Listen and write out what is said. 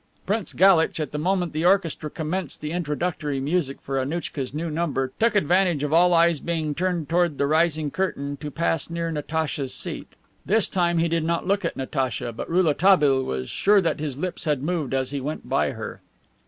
(Prince Galitch, at the moment the orchestra commenced the introductory music for Annouchka's new number, took advantage of all eyes being turned toward the rising curtain to pass near Natacha's seat. This time he did not look at Natacha, but Rouletabille was sure that his lips had moved as he went by her.)